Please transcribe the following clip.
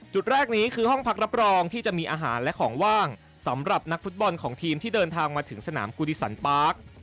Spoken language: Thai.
จุดแรกนี้คือห้องพักรับรองที่จะมีอาหารและของว่างสำหรับนักฟุตบอลของทีมที่เดินทางมาถึงสนามกูดิสันปาร์ค